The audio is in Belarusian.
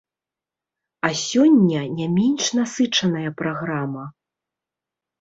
А сёння не менш насычаная праграма.